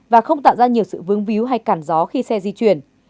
và không tạo ra nhiều sự vướng víu hay cản gió khi xe di chuyển